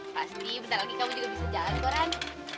pasti bentar lagi kamu juga bisa jalan keluaran